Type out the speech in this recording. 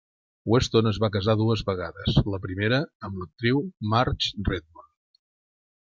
Weston es va casar dues vegades, la primera amb l'actriu Marge Redmond.